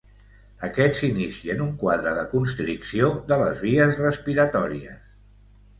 Aquests inicien un quadre de constricció de les vies respiratòries.